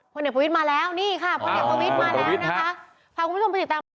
พ่อเหนียวพระวิทย์มาแล้วนี่ค่ะพ่อเหนียวพระวิทย์มาแล้วนะคะ